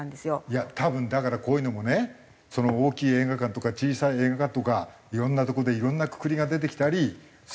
いや多分だからこういうのもね大きい映画館とか小さい映画館とかいろんなとこでいろんなくくりが出てきたりすると思うんだよ。